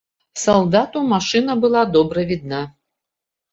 Салдату машына была добра відна.